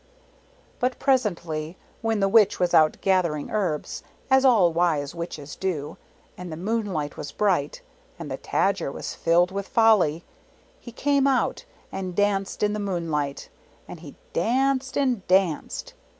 But presently, when the Witch was out gathering herbs, as all wise Witches do, and the moonlight was bright and the Tajer was filled with folly, he came out and danced in the moonlight and he danced and danced.